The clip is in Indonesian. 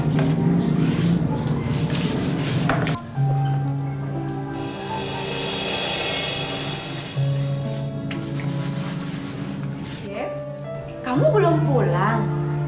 dev kamu belum pulang